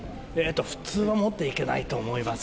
普通は持っていけないと思いますけど。